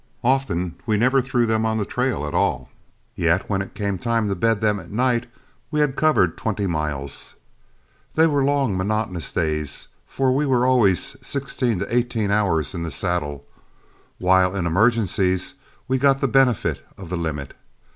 Often we never threw them on the trail at all, yet when it came time to bed them at night, we had covered twenty miles. They were long, monotonous days; for we were always sixteen to eighteen hours in the saddle, while in emergencies we got the benefit of the limit.